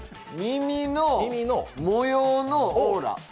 耳の模様のオーラ。